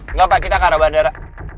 enggak pak kita ke arah bandara